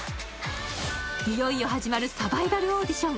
いよいよ始まるサバイバルオーディション。